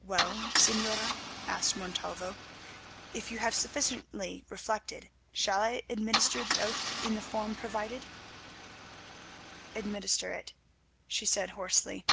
"Well, Señora," asked Montalvo, "if you have sufficiently reflected shall I administer the oath in the form provided?" "Administer it," she said hoarsely.